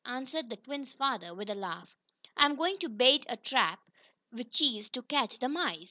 answered the twins' father, with a laugh. "I'm going to bait a trap with cheese to catch the mice.